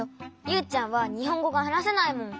ユウちゃんはにほんごがはなせないもん。